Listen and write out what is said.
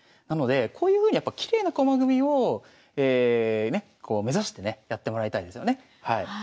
なのでこういうふうにやっぱきれいな駒組みを目指してねやってもらいたいですよね。